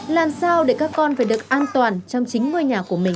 làm sao để các con phải được an toàn trong chính ngôi nhà của mình